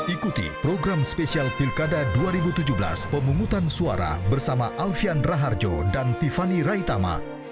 ikuti program spesial pilkada dua ribu tujuh belas pemungutan suara bersama alfian raharjo dan tiffany raitama